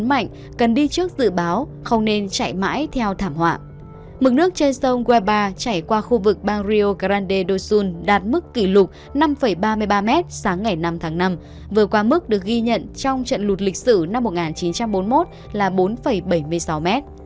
mực nước trên sông waiba chảy qua khu vực bang rio grande do sul đạt mức kỷ lục năm ba mươi ba m sáng ngày năm tháng năm vừa qua mức được ghi nhận trong trận lụt lịch sử năm một nghìn chín trăm bốn mươi một là bốn bảy mươi sáu m